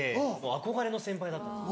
憧れの先輩だったんです。